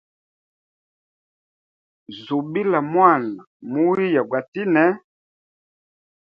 Zubila mwana, muhiya gwatine.